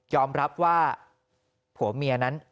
รับว่าผัวเมียนั้น